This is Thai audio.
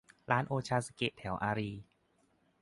ร้านโอชาซึเกะแถวอารีย์